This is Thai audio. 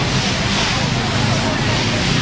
สุดท้ายสุดท้ายสุดท้าย